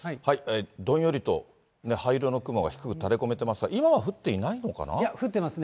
どんよりと灰色の雲が低く垂れ込めていますが、今は降っていない降ってますね。